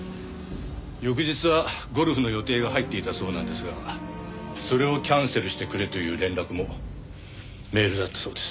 翌日はゴルフの予定が入っていたそうなんですがそれをキャンセルしてくれという連絡もメールだったそうです。